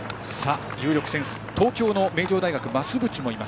東京の名城大学増渕もいます。